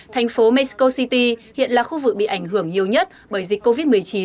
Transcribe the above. thành phố mexico city hiện là khu vực bị ảnh hưởng nhiều nhất bởi dịch covid một mươi chín